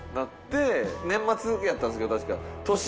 年末やったんですけど確か。